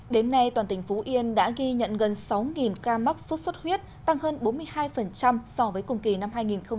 đến nay toàn tỉnh phú yên đã ghi nhận gần sáu ca mắc sốt xuất huyết tăng hơn bốn mươi hai so với cùng kỳ năm hai nghìn một mươi chín